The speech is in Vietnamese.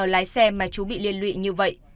lái xe mà chú bị liên lụy như vậy